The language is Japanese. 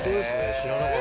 知らなかった。